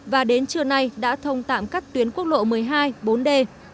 và đến trưa nay đã thông tạm các tuyến quốc lộ một mươi hai bốn d